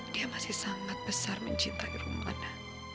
dia masih sangat besar mencintai rumahnya